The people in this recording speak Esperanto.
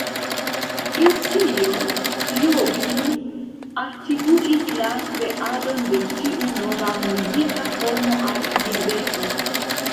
Pro tio, Jobim atribuis la kreadon de tiu nova muzika formo al Gilberto.